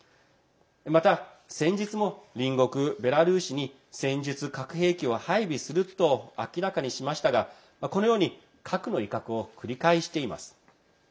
また先日も、隣国ベラルーシに戦術核兵器を配備すると明らかにしましたがこのように核の威嚇を繰り返しています。